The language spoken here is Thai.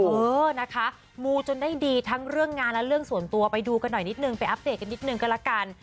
เออนะคะมูจนได้ดีทั้งเรื่องงานและเรื่องส่วนตัวไปดูกันหน่อยนิดนึงไปอัปเดตกันนิดนึงก็ละกัน